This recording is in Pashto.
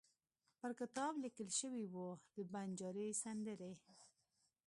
پر کتاب لیکل شوي وو: د بنجاري سندرې.